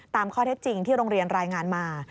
ตามข้อเท็จจริงที่โรงเรียนรายงานมา